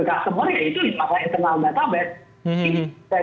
jujur saja dulu kepada diri sendiri kalau memang ada kesalahan perbaiki